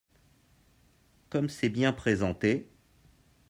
Comme c’est bien présenté